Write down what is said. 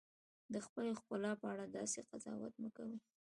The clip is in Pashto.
د خپلې ښکلا په اړه داسې قضاوت مه کوئ.